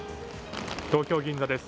東京・銀座です。